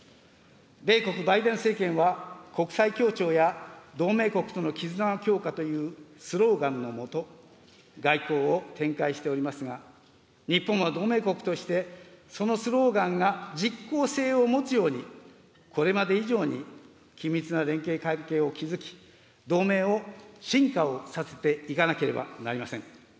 米国・バイデン政権は、国際協調や同盟国との絆の強化というスローガンの下、外交を展開しておりますが、日本は同盟国として、そのスローガンが実効性を持つように、これまで以上に緊密な連携関係を築き、同盟を深化をさせていかなければなりません。